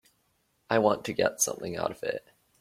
I want to get something out of it.